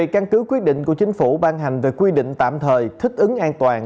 căn cứ quyết định của chính phủ ban hành về quy định tạm thời thích ứng an toàn